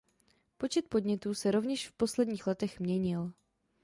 Počet podnětů se rovněž v posledních letech měnil.